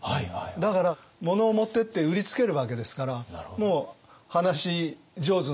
だから物を持ってって売りつけるわけですからもう話上手になるわけですよね。